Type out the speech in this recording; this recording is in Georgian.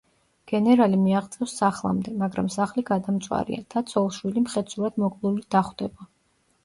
გენერალი მიაღწევს სახლამდე, მაგრამ სახლი გადამწვარი და ცოლ–შვილი მხეცურად მოკლული დახვდება.